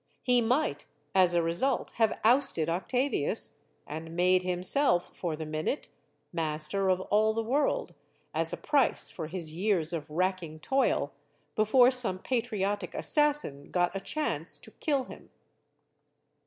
He might, as a result, have ousted Octavius and made himself, for the minute, master of all the world as a price for his years of racking toil before some patriotic assassin got a chance to kill him.